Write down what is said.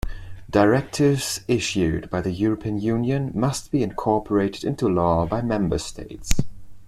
Directives issued by the European Union must be incorporated into law by member states.